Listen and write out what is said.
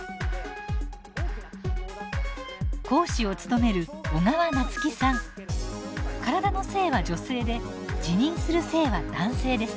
講師を務める体の性は女性で自認する性は男性です。